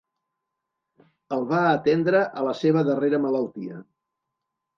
El va atendre a la seva darrera malaltia.